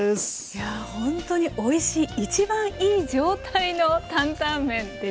いやほんとにおいしい一番いい状態の担々麺出来上がりです。